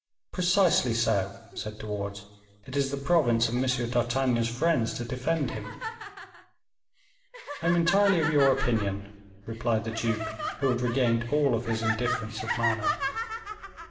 "Precisely so," said De Wardes; "it is the province of M. d'Artagnan's friends to defend him." "I am entirely of your opinion," replied the duke, who had regained all his indifference of manner; "if M.